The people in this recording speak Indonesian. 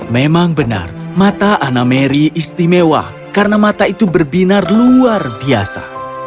memang benar mata anna mary istimewa karena mata itu berbinar luar biasa